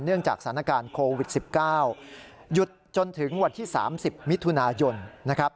เนื่องจากสถานการณ์โควิด๑๙หยุดจนถึงวันที่๓๐มิถุนายน